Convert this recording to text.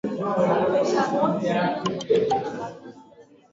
Kikohozi kutokana na maji yaliyo mapafuni